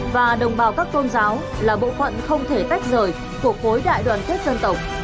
và đồng bào các tôn giáo là bộ phận không thể tách rời của khối đại đoàn kết dân tộc